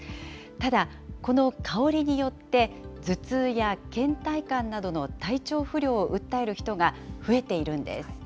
ただ、この香りによって頭痛やけん怠感などの体調不良を訴える人が増えているんです。